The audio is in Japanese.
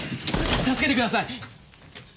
助けてください！